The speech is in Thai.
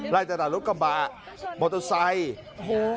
ไล่จากรถกำบะมอเตอร์ไซค์โอ้โห